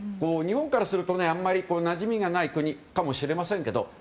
日本からすると、あんまりなじみがない国かもしれませんが